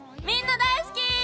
みんな大好き！